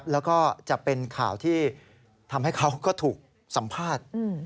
แล้วก็จะเป็นข่าวที่ทำให้เขาก็ถูกสัมภาษณ์